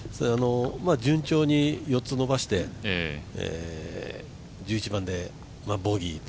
順調に４つ伸ばして１１番でボギーと。